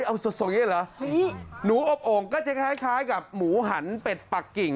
เอาสดอย่างนี้เหรอหนูอบโอ่งก็จะคล้ายกับหมูหันเป็ดปักกิ่ง